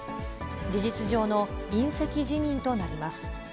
事実上の引責辞任となります。